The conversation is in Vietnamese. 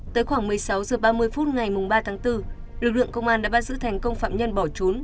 tới khoảng một mươi sáu h ba mươi phút ngày ba tháng bốn lực lượng công an đã bắt giữ thành công phạm nhân bỏ trốn